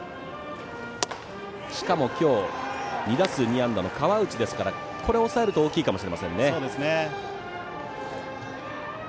しかも、今日２打数２安打の河内ですからこれを抑えると大きいかもしれません。